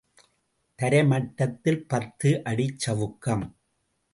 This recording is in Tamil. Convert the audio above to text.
தரை மட்டத்தில் பத்து அடிச் சவுக்கம்.